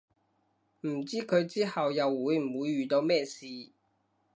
唔知佢之後又會唔會遇到咩事